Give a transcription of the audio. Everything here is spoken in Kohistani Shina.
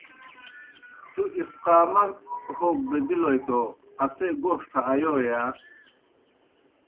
تُوْ اسقامت ہوک دہ بِلوئے توْ اسیئے گوݜٹھہ آیوئے یا؟